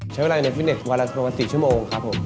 ใช้เวลาในฟิตเนสวารัสประมาณ๑๐ชั่วโมงครับผม